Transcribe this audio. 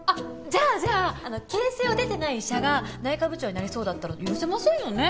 じゃあじゃあ慶西を出てない医者が内科部長になりそうだったら許せませんよね？